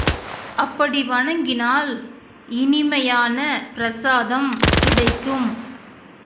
அப்படி வணங்கினால் இனிமையான பிரசாதம் கிடைக்கும்.